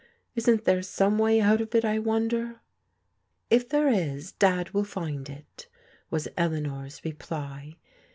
Isn't there some way out of it, I wonder? "" If there is. Dad will find it," was Eleanor's reply.